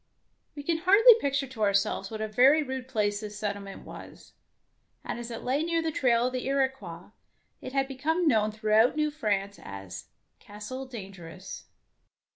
We can hardly picture to ourselves what a very rude place the settlement was, and as it lay near the trail of the Iroquois, it had become known throughout New France as "Castle Dangerous.